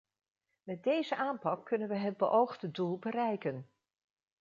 Met deze aanpak kunnen we het beoogde doel bereiken.